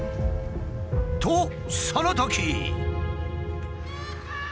とそのとき！